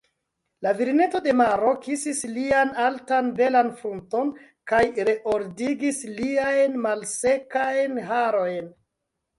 La virineto de maro kisis lian altan belan frunton kaj reordigis liajn malsekajn harojn.